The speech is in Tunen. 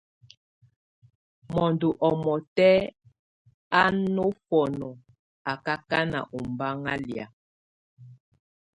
Mondo ɔmɔtɛ́ a ofɔnɔ akakán ombáŋ a lia.